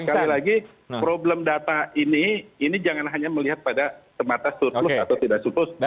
sekali lagi problem data ini ini jangan hanya melihat pada semata surplus atau tidak surplus